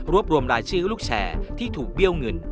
รวมรวมรายชื่อลูกแชร์ที่ถูกเบี้ยวเงิน